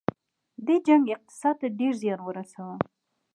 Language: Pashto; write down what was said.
دې جنګ اقتصاد ته ډیر زیان ورساوه.